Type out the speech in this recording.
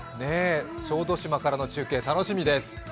小豆島からの中継、楽しみです。